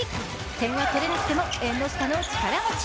点は取れなくても縁の下の力持ち。